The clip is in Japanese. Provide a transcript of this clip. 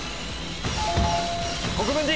国分寺！